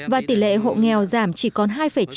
và tỷ lệ hộ nghèo giảm chỉ còn hai chín